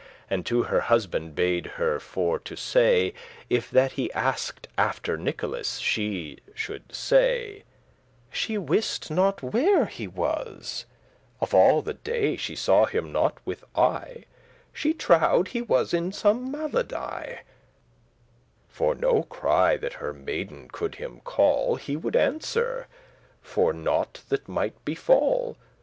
And to her husband bade her for to say, If that he asked after Nicholas, She shoulde say, "She wist* not where he was; *knew Of all the day she saw him not with eye; She trowed* he was in some malady, *believed For no cry that her maiden could him call He would answer, for nought that might befall."